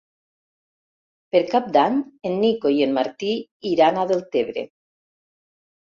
Per Cap d'Any en Nico i en Martí iran a Deltebre.